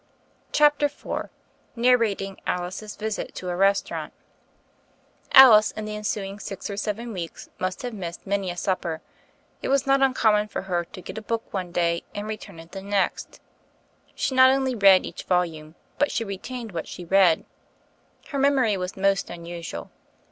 CHAFI^ER IV NARRATING ALICE'S VISIT TO A RESTAURANT ALICE in the ensuing six or seven weeks must have missed many a supper: it was not uncommon for her to get a book one day and return it the next. She not only read each volume, but she retained what she read. Her memory was most unusual.